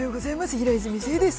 平泉成です。